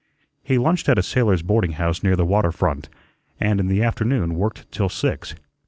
He lunched at a sailor's boarding house near the water front, and in the afternoon worked till six.